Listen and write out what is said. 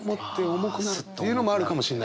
重くなるというのもあるかもしれないね。